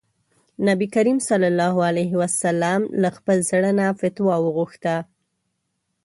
نبي کريم ص له خپل زړه نه فتوا وغوښته.